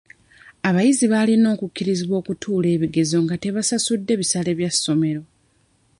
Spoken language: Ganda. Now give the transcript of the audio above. Abayizi balina okukkirizibwa okutuula ebigezo nga tebasasudde bisale bya ssomero.